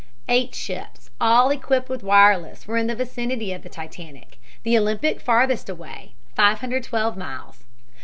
Eight ships, all equipped with wireless, were in the vicinity of the Titanic, the Olympic farthest away 512 miles.